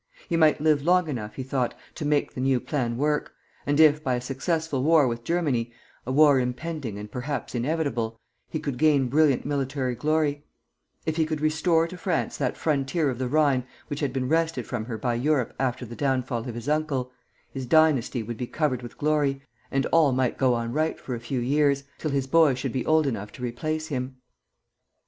He might live long enough, he thought, to make the new plan work, and if, by a successful war with Germany, a war impending and perhaps inevitable, he could gain brilliant military glory; if he could restore to France that frontier of the Rhine which had been wrested from her by Europe after the downfall of his uncle, his dynasty would be covered with glory, and all might go on right for a few years, till his boy should be old enough to replace him.